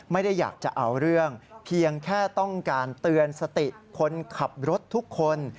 ไม่ได้อยากจะเอาเรื่องเพียงแค่ต้องการเตือนสติคนขับรถทุกคน